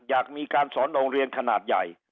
อยากมีการสอนโรงเรียนขนาดใหญ่